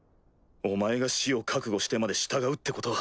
お前が死を覚悟してまで従うってことは。